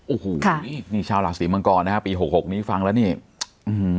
โอ้โหนี่นี่ชาวราศีมังกรนะฮะปีหกหกนี้ฟังแล้วนี่อืม